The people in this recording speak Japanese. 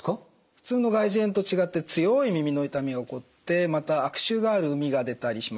普通の外耳炎と違って強い耳の痛みが起こってまた悪臭があるうみが出たりします。